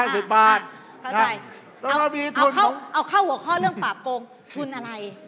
เอาเข้าหัวข้อเรื่องปรับโครงทุนอะไร